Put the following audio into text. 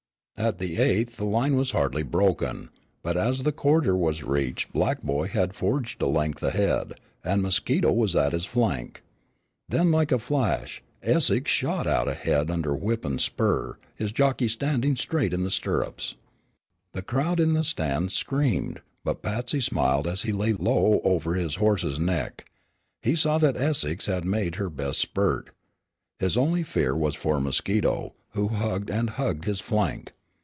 At the eighth the line was hardly broken, but as the quarter was reached Black Boy had forged a length ahead, and Mosquito was at his flank. Then, like a flash, Essex shot out ahead under whip and spur, his jockey standing straight in the stirrups. The crowd in the stand screamed; but Patsy smiled as he lay low over his horse's neck. He saw that Essex had made her best spurt. His only fear was for Mosquito, who hugged and hugged his flank.